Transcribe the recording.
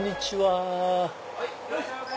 どうぞいらっしゃいませ。